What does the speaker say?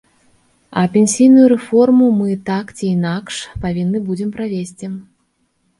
А пенсійную рэформу мы так ці інакш павінны будзем правесці.